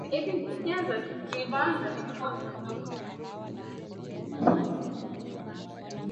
akizungumza inaonyesha hakuna shaka yoyote kwamba wananchi